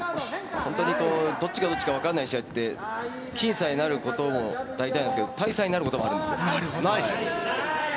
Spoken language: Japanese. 本当に、どっちがどっちか分からない試合って僅差になることも大体なんですけど大差になることもあるんですよ。